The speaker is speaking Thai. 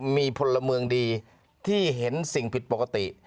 มีพลเมืองดีที่เห็นสิ่งผิดปกติ